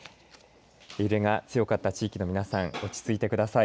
揺れが強かった地域の皆さん落ち着いてください。